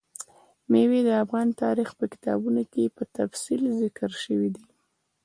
مېوې د افغان تاریخ په کتابونو کې په تفصیل ذکر شوي دي.